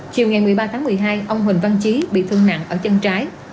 chiều một mươi ba một mươi hai ông huỳnh văn chí bị thương nặng ở chân trái